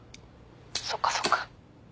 そっかそっか。